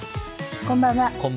こんばんは。